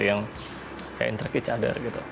yang kayak interact with each other gitu